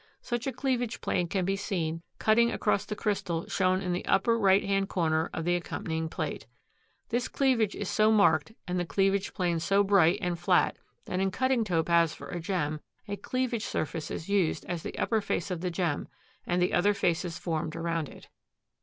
Such a cleavage plane can be seen cutting across the crystal shown in the upper right hand corner of the accompanying plate. This cleavage is so marked and the cleavage plane so bright and flat that in cutting Topaz for a gem a cleavage surface is used as the upper face of the gem and the other faces formed around it.